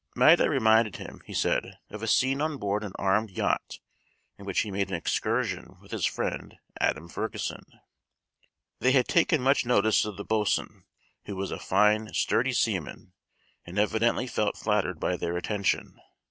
Maida reminded him, he said, of a scene on board an armed yacht in which he made an excursion with his friend Adam Ferguson. They had taken much notice of the boatswain, who was a fine sturdy seaman, and evidently felt flattered by their attention.